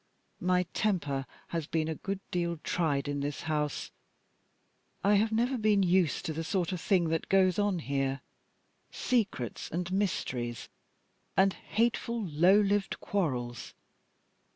My temper has been a good deal tried in this house; I have never been used to the sort of thing that goes on here secrets and mysteries, and hateful low lived quarrels.